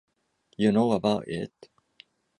You know about it.